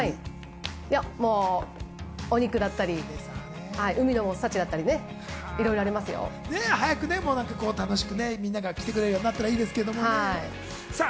お肉だったり、海の幸だったり、いろいろありますよ。早く楽しくみんなが来てくれるようになったらいいですね。